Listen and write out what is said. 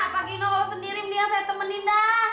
pak gino kalau sendiri dia yang saya temenin dah